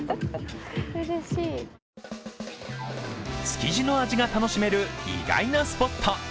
築地の味が楽しめる意外なスポット。